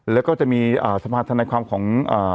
แล้วก็จะมีสภาธนาความของ